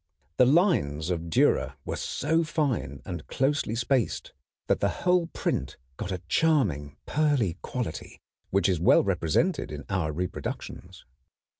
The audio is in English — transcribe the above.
The lines of Dürer were so fine and closely spaced that the whole print got a charming pearly quality which is well represented in our reproductions.